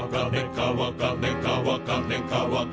かわかねかわかねかわか」